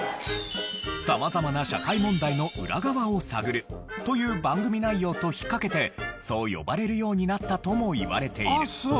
様々な社会問題の裏側を探るという番組内容と引っかけてそう呼ばれるようになったともいわれている。